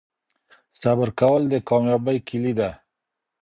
صبر کول د کامیابۍ کیلي ده.